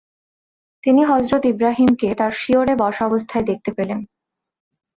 তিনি হযরত ইব্রাহীম কে তার শিয়রে বসা অবস্থায় দেখতে পেলেন।